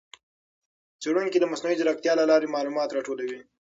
څېړونکي د مصنوعي ځېرکتیا له لارې معلومات راټولوي.